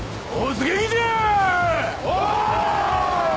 お！